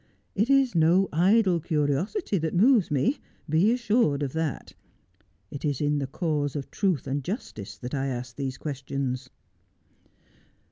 It is no idle curiosity that moves me ; be assured of that. It is in the cause of truth and justice that I ask these questions.'